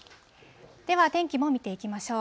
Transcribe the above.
では、天気も見ていきましょう。